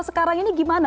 sekarang ini gimana